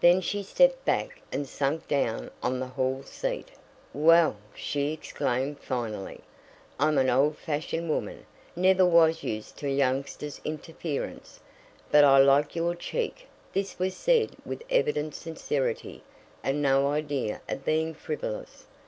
Then she stepped back and sank down on the hall seat. "Well," she exclaimed finally, "I'm an old fashioned woman. Never was used to youngsters' interference, but I like your cheek (this was said with evident sincerity and no idea of being frivolous).